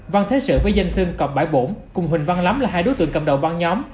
văn thế sự với danh sưng cọp bãi bổn cùng huỳnh văn lắm là hai đối tượng cầm đầu băng nhóm